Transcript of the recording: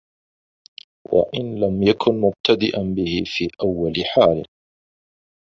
وَإِنْ لَمْ يَكُنْ مُبْتَدِئًا بِهِ فِي أَوَّلِ حَالٍ